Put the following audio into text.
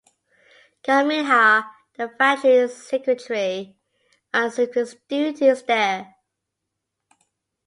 Caminha, the factory's secretary, assumed his duties there.